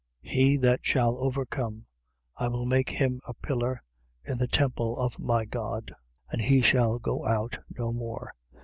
3:12. He that shall overcome, I will make him a pillar in the temple of my God: and he shall go out no more.